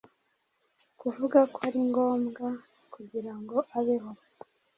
Kuvuga ko ari ngombwa kugira ngo abeho